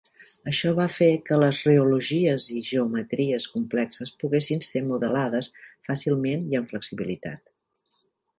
Això va fer que les reologies i geometries complexes poguessin ser modelades fàcilment i amb flexibilitat.